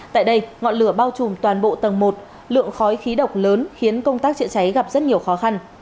tại đây ngọn lửa bao trùm toàn bộ tầng một lượng khói khí độc lớn khiến công tác chữa cháy gặp rất nhiều khó khăn